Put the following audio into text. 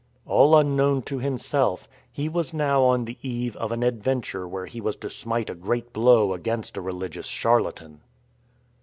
All unknown to himself, he was now on the eve of an adventure where he was to smite a great blow against a religious charlatan.